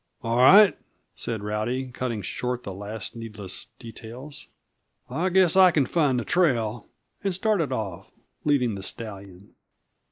"All right," said Rowdy, cutting short the last needless details. "I guess I can find the trail;" and started off, leading the stallion.